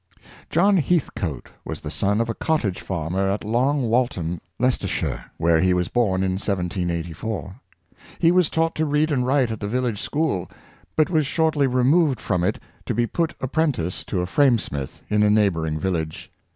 John Heathcoat was the son of a cottage farmer at Long Whalton, Leicestershire, where he was born in 1784. He was taught to read and write at the village school, but was shortly removed from it to be put ap prentice to a framesmith in a neighboring village.